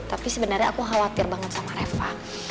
tapi sebenarnya aku khawatir banget sama reva